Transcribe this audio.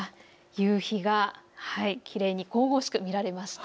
夕日がきれいに神々しく見られました。